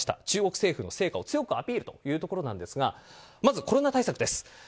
中国政府の成果を強くアピールというところですがまず、コロナ対策です。